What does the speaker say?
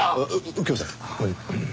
右京さん。